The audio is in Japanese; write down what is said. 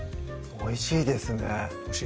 おいしいです